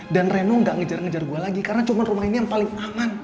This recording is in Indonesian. dan reno gak ngejar ngejar gue lagi karena cuma rumah ini yang paling aman